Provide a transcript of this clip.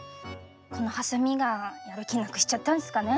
このハサミがやる気なくしちゃったんすかね。